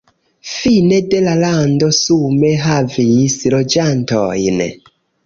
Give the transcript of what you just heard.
Fine de la lando sume havis loĝantojn.